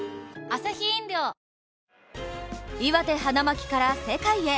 岩手・花巻から世界へ。